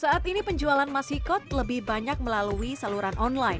saat ini penjualan masikot lebih banyak melalui saluran online